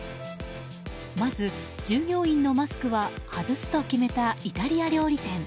まず、従業員のマスクは外すと決めたイタリア料理店。